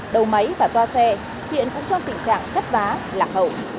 đầu máy và toa xe hiện cũng trong tình trạng chất vá lạc hậu